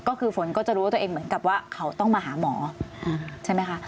ก็คือฝนก็จะรู้ว่าตัวเองเหมือนกับว่าเขาต้องมาหาหมอใช่ไหมคะ